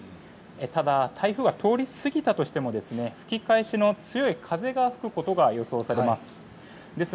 ただ、台風は通り過ぎたとしても吹き返しの強い風が吹くことが予想されます。